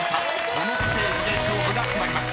このステージで勝負が決まります］